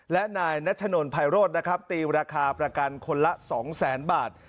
และนายนชนนภายโรศตีราคาประกันคนละ๒แสนบาท